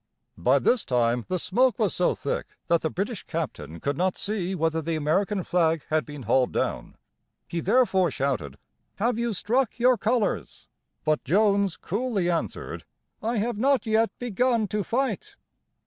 ] By this time the smoke was so thick that the British captain could not see whether the American flag had been hauled down. He therefore shouted: "Have you struck your colors?" But Jones coolly answered: "I have not yet begun to fight."